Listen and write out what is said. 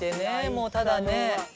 もうただね。